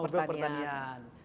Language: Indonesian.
oh produk pertanian